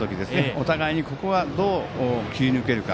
お互いに、ここはどう切り抜けるか。